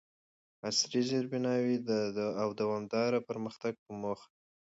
عصري زیربناوو او دوامداره پرمختګ په موخه،